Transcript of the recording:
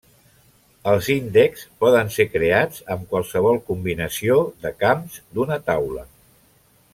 Els índexs poden ser creats amb qualsevol combinació de camps d'una taula.